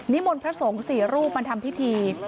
นี่มนต์พระสงฆ์สี่รูปมันทำพิธี